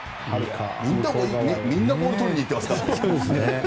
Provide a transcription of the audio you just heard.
みんなボールとりに行ってますからね。